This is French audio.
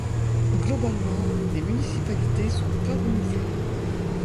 Globalement, les municipalités sont peu renouvelées.